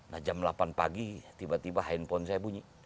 nah jam delapan pagi tiba tiba handphone saya bunyi